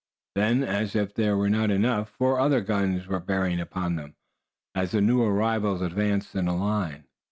Then, as if that were not enough, four other guns were bearing upon them, as the new arrivals advanced in a line.